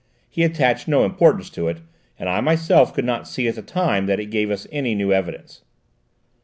He attached no importance to it, and I myself could not see at the time that it gave us any new evidence."